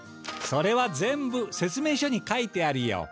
それは全部せつ明書に書いてあるよ。